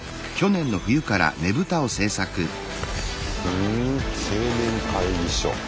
ふん青年会議所。